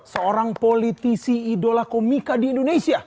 seorang politisi idola komika di indonesia